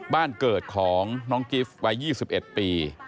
บ้านเกิดของน้องกิฟต์วัย๒๑ปี